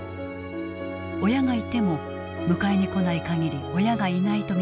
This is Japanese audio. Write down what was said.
親がいても迎えに来ない限り親がいないと見なされてしまう。